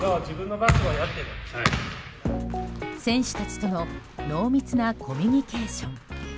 選手たちとの濃密なコミュニケーション。